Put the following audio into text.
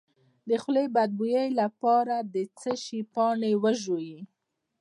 د خولې د بد بوی لپاره د څه شي پاڼې وژويئ؟